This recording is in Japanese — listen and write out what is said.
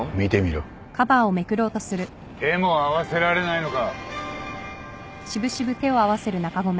手も合わせられないのか。